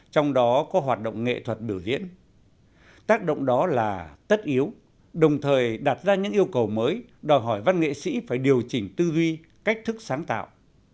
trong đó có hoạt động nghệ thuật biểu diễn tác động đó là tất yếu đồng thời đặt ra những yêu cầu mới đòi hỏi văn nghệ sĩ phải điều chỉnh tư duy cách thức sáng tạo